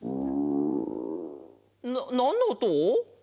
ななんのおと？